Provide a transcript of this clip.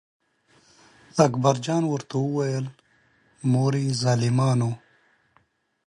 اکبر جان ورته وویل: مورې ظالمانو.